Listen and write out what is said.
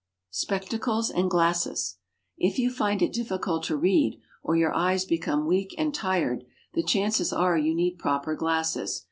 =Spectacles and Glasses.= If you find it difficult to read, or your eyes become weak and tired, the chances are you need proper glasses.